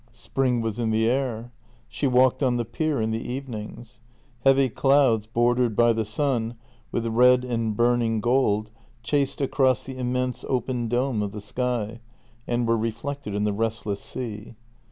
Spring was in the air. She walked on the pier in the evenings. Heavy clouds, bordered by the sun, with red and burning gold, chased across the immense open dome of the sky, and were reflected in the restless sea.